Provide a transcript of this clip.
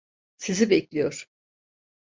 Sizi bekliyor.